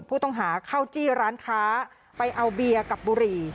ผู้ต้องหาเข้าจี้ร้านค้าไปเอาเบียร์กับบุหรี่